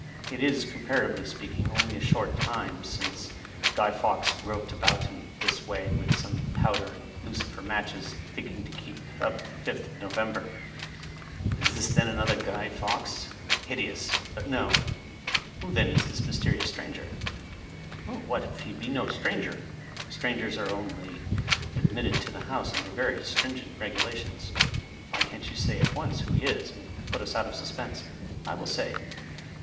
It is, comparatiyely speaking, only a short time since G — ^y F — wk s groped about in this way, with some powder and lucifer matches, think ing to keep up the Fifth of November. Is this, then, another G — ^y F — ^wk s ? Hideous ! But, no. Who, then, is this mysterious stranger} What if he be no stranger ? Strangers are only admitted to the House under very stringent regulations. ^' Why can't you say at once who he is, and put jis out of suspense %" I will say.